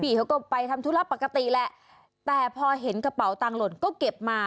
เขาก็ไปทำธุระปกติแหละแต่พอเห็นกระเป๋าตังค์หล่นก็เก็บมา